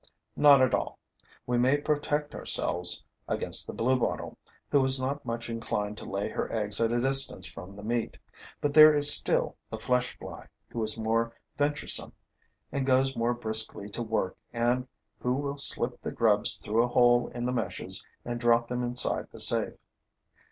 Not at all. We may protect ourselves against the Bluebottle, who is not much inclined to lay her eggs at a distance from the meat; but there is still the flesh fly, who is more venturesome and goes more briskly to work and who will slip the grubs through a hole in the meshes and drop them inside the safe.